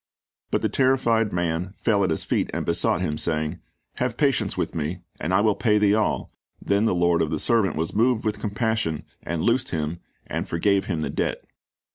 But the terrified man fell at his feet and besought him, saying, "Have patience with me, and I will pay thee all. Then the lord of that servant was moved with compassion, and loosed him, and forgave him the debt.